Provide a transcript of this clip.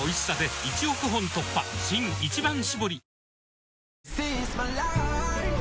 新「一番搾り」